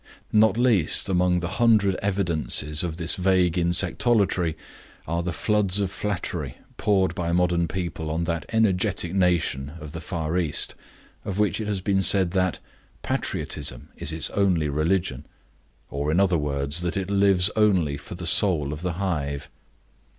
Not least among the hundred evidences of this vague insectolatry are the floods of flattery poured by modern people on that energetic nation of the Far East of which it has been said that "Patriotism is its only religion"; or, in other words, that it lives only for the Soul of the Hive.